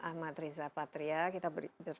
ahmad riza patria kita